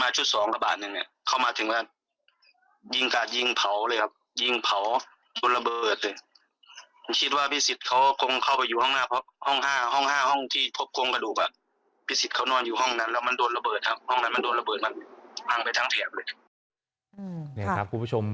มาชุดสองกระบาดนึงเข้ามาถึงว่ายิ่งกัดยิ่งเผาเลยครับยิ่งเผาโดนระเบิดเลย